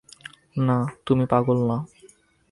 না, তুমি পাগল না।